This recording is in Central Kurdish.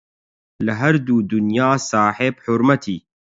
لە هەردوو دونیا ساحێب حورمەتی